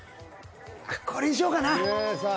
これにしようかなさあ